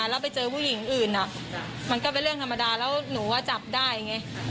แล้วไปเจอผู้หญิงอื่นมันก็เป็นเรื่องธรรมดาแล้วหนูว่าจับได้ไง